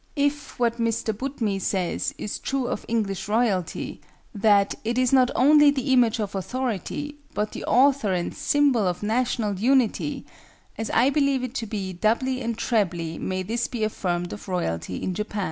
If what M. Boutmy says is true of English royalty—that it "is not only the image of authority, but the author and symbol of national unity," as I believe it to be, doubly and trebly may this be affirmed of royalty in Japan.